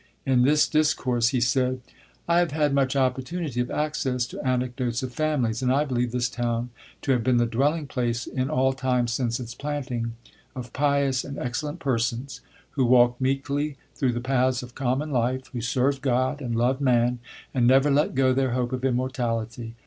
In this discourse he said: "I have had much opportunity of access to anecdotes of families, and I believe this town to have been the dwelling place, in all times since its planting, of pious and excellent persons, who walked meekly through the paths of common life, who served God and loved man, and never let go their hope of immortality.